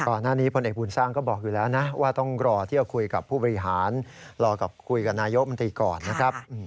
ก่อนหน้านี้พลเอกบุญสร้างก็บอกอยู่แล้วนะว่าต้องรอเที่ยวคุยกับผู้บริหารรอกับคุยกับนายกมนตรีก่อนนะครับ